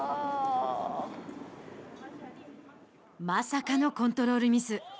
まさかのコントロールミス。